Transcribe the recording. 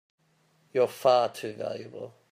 You're far too valuable!